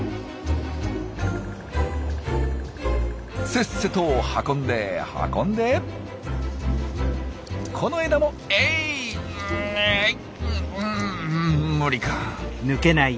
せっせと運んで運んでこの枝もえい！